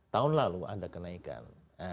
tahun lalu ada kenaikan